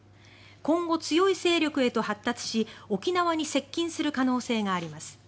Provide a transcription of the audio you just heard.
今後、強い勢力へと発達し沖縄に接近する可能性があります。